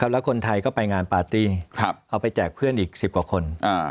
แล้วคนไทยก็ไปงานปาร์ตี้เอาไปแจกเพื่อนอีก๑๐กว่าคน